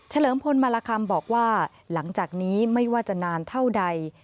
เลิมพลมารคำบอกว่าหลังจากนี้ไม่ว่าจะนานเท่าใด